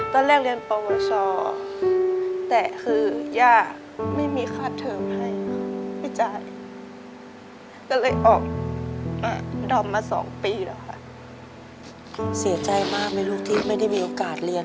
ตอนแรกเรียนประวัติศาสตร์